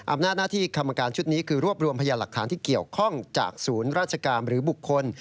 อำนาจหน้าที่กรรมการชุดนี้คือรวบรวมพยานหลักฐานที่เกี่ยวข้องจากศูนย์ราชการหรือบุคคล